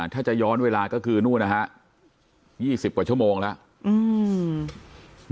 ถ้าจะย้อนเวลาก็คือนู่นนะฮะ๒๐กว่าชั่วโมงแล้ว